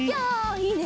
いいね！